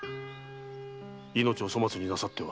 命を粗末になさっては。